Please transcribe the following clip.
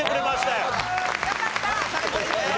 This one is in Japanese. よかった。